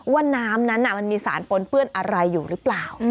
ว่าน้ำนั้นมันมีสารปนเปื้อนอะไรอยู่หรือเปล่า